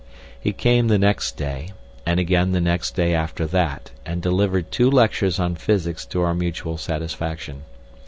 He came the next day, and again the next day after that, and delivered two lectures on physics to our mutual satisfaction.